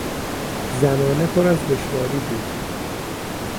زمانه پر از دشواری بود.